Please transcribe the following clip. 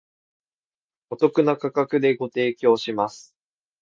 お得な価格でご提供します